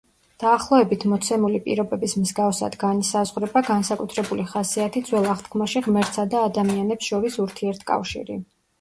დაახლოებით მოცემული პირობების მსგავსად განისაზღვრება განსაკუთრებული ხასიათი ძველ აღთქმაში ღმერთსა და ადამიანებს შორის ურთიერთკავშირი.